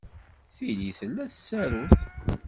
Tili tella tsarut.